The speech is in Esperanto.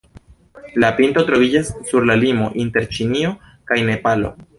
La pinto troviĝas sur la limo inter Ĉinio kaj Nepalo.